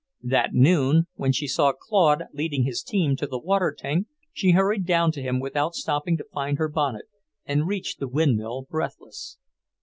That noon, when she saw Claude leading his team to the water tank, she hurried down to him without stopping to find her bonnet, and reached the windmill breathless.